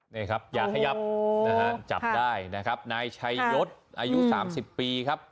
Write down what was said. นี่ครับอย่าขยับนะฮะจับได้นะครับนายชัยยศอายุ๓๐ปีครับ